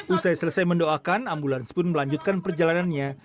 usai selesai mendoakan ambulans pun melanjutkan perjalanannya